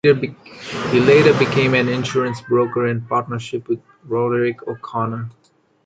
He later became an insurance broker in partnership with Roderick O'Connor.